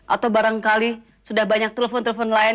atau barangkali sudah banyak telepon telepon lain